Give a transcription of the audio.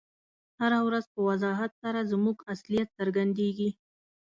هره ورځ په وضاحت سره زموږ اصلیت څرګندیږي.